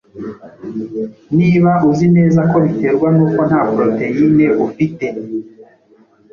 niba uzi neza ko biterwa n'uko nta proteine ufite,